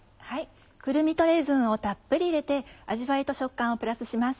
くるみとレーズンをたっぷり入れて味わいと食感をプラスします。